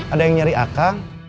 ada yang nyari aka